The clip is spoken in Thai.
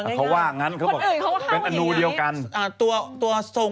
เขาว่านั่นเป็นอนุเดียวกันหรือไงครับบ๊วยช่วยเหรอ